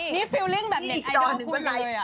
นี่ฟิลลิ่งแบบเน็ตไอดอลพูดเลย